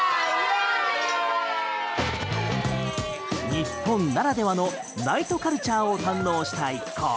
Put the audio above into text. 日本ならではのナイトカルチャーを堪能した一行。